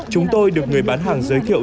chúng tôi được người bán hàng giới thiệu